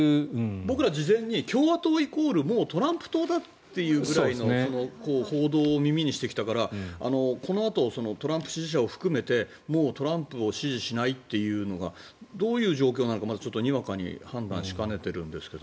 僕らは事前に共和党イコールトランプ党だというぐらいの報道を耳にしてきたからこのあとトランプ支持者を含めてトランプを支持しないというのがどういう状況なのか、にわかに判断しかねているんですが。